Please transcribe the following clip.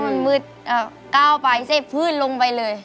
ว่ามันมืดก้าวไปเสพพื้นลงไปเลย